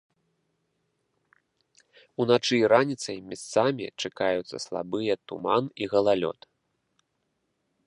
Уначы і раніцай месцамі чакаюцца слабыя туман і галалёд.